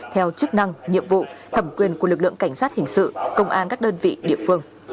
theo chức năng nhiệm vụ thẩm quyền của lực lượng cảnh sát hình sự công an các đơn vị địa phương